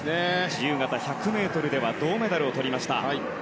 自由形１００ｍでは銅メダルをとりました。